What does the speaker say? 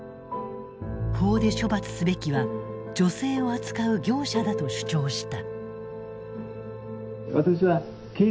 法で処罰すべきは女性を扱う業者だと主張した。